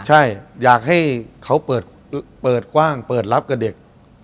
ใช่อยากให้เขาเปิดกว้างเปิดรับกับเด็ก